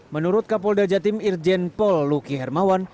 menurut kapolda jatim irjen pol luki hermawan